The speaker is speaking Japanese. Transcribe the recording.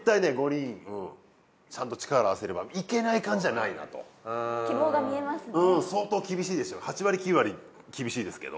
５人ちゃんと力合わせればいけない感じではないなと希望が見えますね